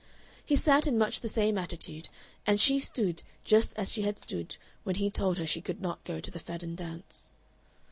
He sat in much the same attitude, and she stood just as she had stood when he told her she could not go to the Fadden Dance.